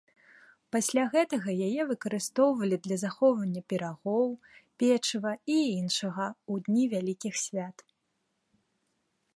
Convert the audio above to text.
Пасля гэтага яе выкарыстоўвалі для захоўвання пірагоў, печыва і іншага ў дні вялікіх свят.